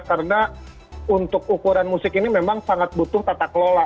karena untuk ukuran musik ini memang sangat butuh tata kelola